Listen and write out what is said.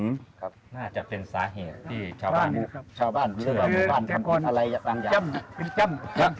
ครับน่าจะเป็นสาเหตุที่ชาวบ้านเฉลิมบ้านทำอะไรอย่างต่างอย่าง